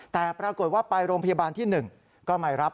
แต่ปรากฏว่าไปโรงพยาบาลที่๑ก็ไม่รับ